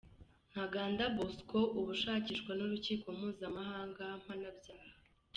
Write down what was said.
Ntaganda Bosco ubu ushakishwa n’Urukiko Mpuzamahanga Mpanabyaha.